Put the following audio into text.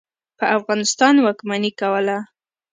په افغانستان واکمني کوله.